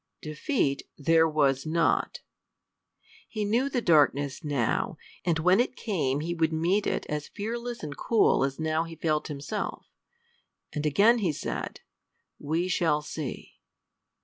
Defeat there was not. He knew the darkness now, and when it came he would meet it as fearless and cool as now he felt himself. And again he said, "We shall see!"